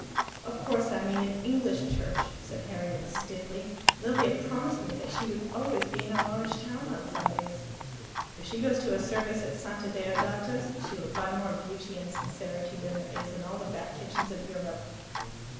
"Of course I mean an English church," said Harriet stiffly. "Lilia promised me that she would always be in a large town on Sundays." "If she goes to a service at Santa Deodata's, she will find more beauty and sincerity than there is in all the Back Kitchens of Europe."